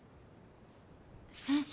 先生。